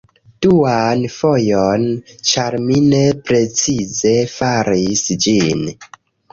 Duan fojon ĉar mi ne precize faris ĝin